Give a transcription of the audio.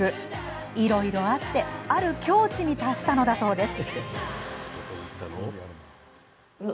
いろいろあってある境地に達したそうです。